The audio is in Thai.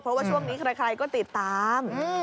เพราะว่าช่วงนี้ใครก็ติดตาม